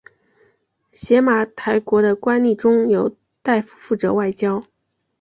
邪马台国的官吏中有大夫负责外交。